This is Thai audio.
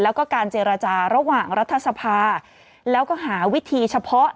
แล้วก็การเจรจาระหว่างรัฐสภาแล้วก็หาวิธีเฉพาะ